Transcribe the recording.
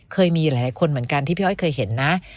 เคยมีหลายคนเหมือนกันที่พี่อ้อยเคยเห็นนะ